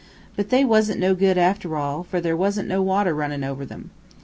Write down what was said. But they wasn't no good, after all, for there wasn't no water runnin' over em.